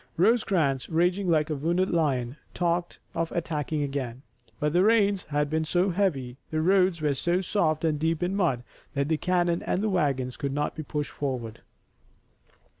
Rosecrans, raging like a wounded lion, talked of attacking again, but the rains had been so heavy, the roads were so soft and deep in mud that the cannon and the wagons could not be pushed forward.